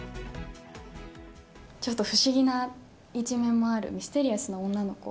ちょっと不思議な一面もある、ミステリアスな女の子。